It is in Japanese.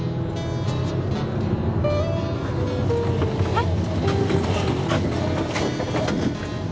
えっ！？